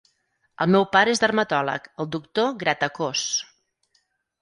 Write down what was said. El meu pare és dermatòleg, el doctor Gratacós.